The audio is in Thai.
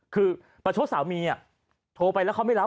คือประชดสามีโทรไปแล้วเขาไม่รับ